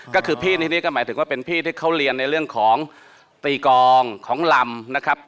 ก็คือพี่นี่ก็หมายถึงว่าเป็นพี่ที่เขาเรียนในเรื่องของตีกองของลำนะครับ